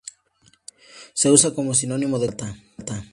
Se usa como sinónimo de tarro y lata.